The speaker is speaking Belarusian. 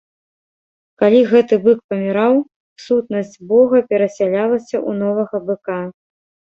Калі гэты бык паміраў, сутнасць бога перасялялася ў новага быка.